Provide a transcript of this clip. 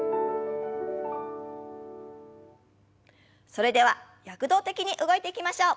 それでは躍動的に動いていきましょう。